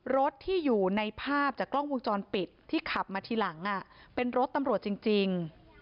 รถที่อยู่ในภาพจากกล้องวงจรปิดที่ขับมาทีหลังเป็นรถตำรวจจริง